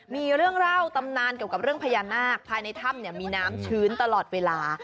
มีเรื่องเล่าตำนานเกี่ยวกับเรื่องพญานาคภายในถ้ำมีน้ำชื้นตลอดเวลา